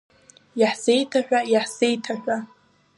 Иаҳзеиҭаҳәа, иаҳзеиҭаҳәа!